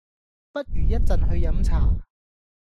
不如一陣去飲茶